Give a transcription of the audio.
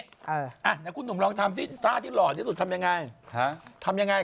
อ่ะแล้วคุณหนุ่มลองทำซิท่าที่หล่อที่สุดทำยังไง